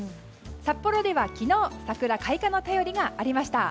札幌では昨日桜開花の便りがありました。